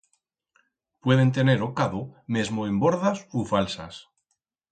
Pueden tener o cado mesmo en bordas u falsas.